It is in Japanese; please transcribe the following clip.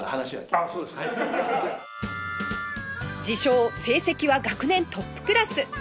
自称成績は学年トップクラス